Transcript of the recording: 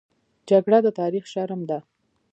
جګړه د تاریخ شرم ده